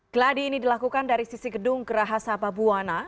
geladi ini dilakukan dari sisi gedung gerahasa babuwana